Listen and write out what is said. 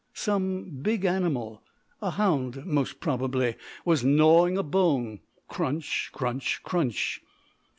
Some big animal a hound most probably was gnawing a bone crunch, crunch, crunch!